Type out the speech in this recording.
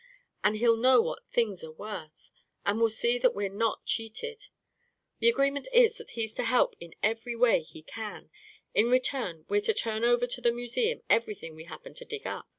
And he'll know what things are worth, and will see that we're not cheated. The agreement is that he's to help in every way he can. In return, we're to turn over to the museum everything we hap pen to dig up.